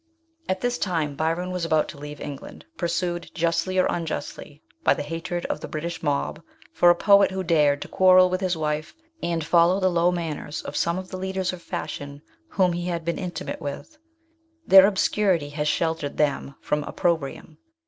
At this time Byron was about to leave England, pur sued, justly or unjustly, by the hatred of the British rnob for a poet who dared to quarrel with his wife and follow the low manners of some of the leaders of fashion whom he had been intimate with. Their ob scurity has sheltered them from opprobrium.